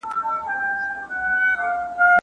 د هېواد په شمالي ولایتونو کې ګډوډي روانه وه.